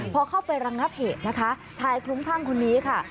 พอเข้าไประงับเหตุนะคะชายคลุ้มคลั่งคนนี้ค่ะ